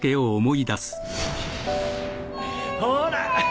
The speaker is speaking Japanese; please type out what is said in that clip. ほら。